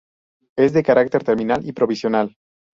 Es de carácter terminal y provisional.